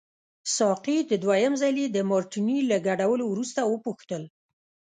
ساقي د دوهم ځلي د مارټیني له ګډولو وروسته وپوښتل.